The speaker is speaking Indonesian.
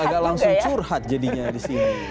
agak agak langsung curhat jadinya disini